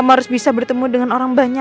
mama sakit lagi ya gara gara